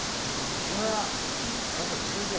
月村さっさと連れてけ。